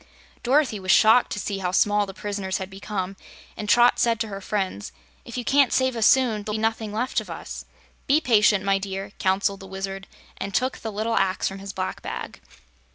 Dorothy was shocked to see how small the prisoners had become, and Trot said to her friends: "If you can't save us soon, there'll be nothing left of us." "Be patient, my dear," counseled the Wizard, and took the little axe from his black bag.